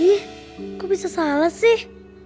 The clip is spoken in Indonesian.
ih aku bisa salah sih